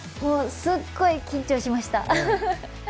すっごい緊張しました。